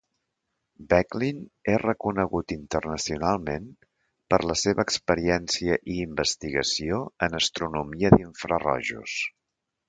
Becklin és reconegut internacionalment per la seva experiència i investigació en astronomia d'infrarojos.